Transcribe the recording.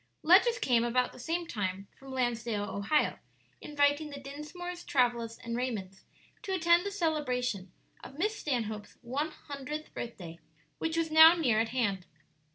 Letters came about the same time from Lansdale, Ohio, inviting the Dinsmores, Travillas, and Raymonds to attend the celebration of Miss Stanhope's one hundredth birthday, which was now near at hand.